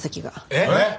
えっ！？